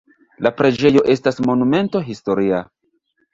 La preĝejo estas monumento historia.